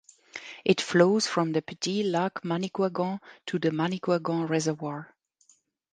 It flows from the Petit lac Manicouagan to the Manicouagan Reservoir.